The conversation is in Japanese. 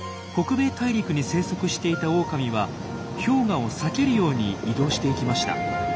北米大陸に生息していたオオカミは氷河を避けるように移動していきました。